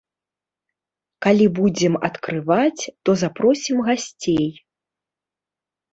Калі будзем адкрываць, то запросім гасцей.